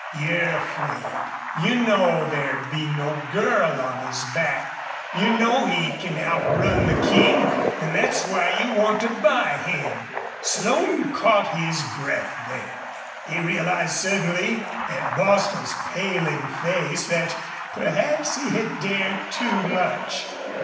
"Bah! you're afraid. You know there'd be no girl on his back. You know he can outrun the King an' that's why you want to buy him." Slone caught his breath then. He realized suddenly, at Bostil's paling face, that perhaps he had dared too much.